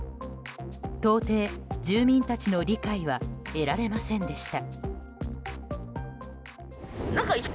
到底、住民たちの理解は得られませんでした。